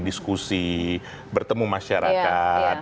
diskusi bertemu masyarakat